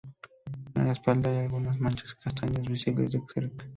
En la espalda hay algunas manchas castañas, visibles de cerca.